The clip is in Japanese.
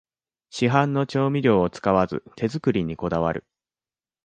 市販の調味料を使わず手作りにこだわる